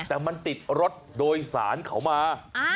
แต่มันติดรถโดยสารเขามา